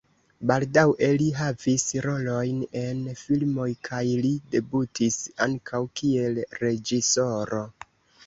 Baldaŭe li havis rolojn en filmoj kaj li debutis ankaŭ kiel reĝisoro.